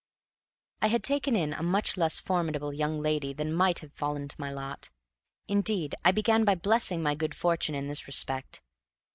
I had taken in a much less formidable young lady than might have fallen to my lot. Indeed I began by blessing my good fortune in this respect.